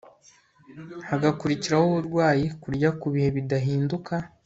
hagakurikiraho uburwayi Kurya ku bihe bidahinduka